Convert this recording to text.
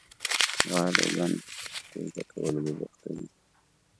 • غالباً په زده کولو به بوختېده.